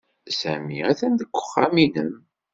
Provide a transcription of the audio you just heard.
Sami atan deg uxxam-nnem.